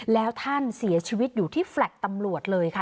แล้วท่านเสียชีวิตอยู่ที่แฟลต์ตำรวจเลยค่ะ